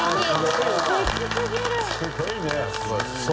すごいね。